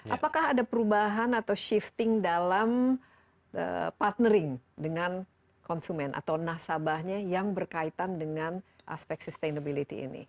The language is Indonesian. apakah ada perubahan atau shifting dalam partnering dengan konsumen atau nasabahnya yang berkaitan dengan aspek sustainability ini